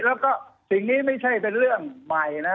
แล้วก็สิ่งนี้ไม่ใช่เป็นเรื่องใหม่นะ